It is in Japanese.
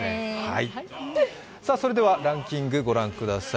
それではランキング、ご覧ください。